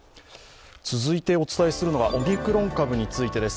続いてお伝えするのはオミクロン株についてです。